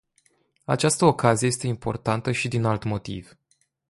Această ocazie este importantă și din alt motiv.